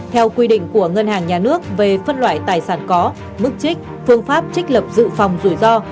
theo quy định của ngân hàng nhà nước về phân loại tài sản có mức trích phương pháp trích lập dự phòng rủi ro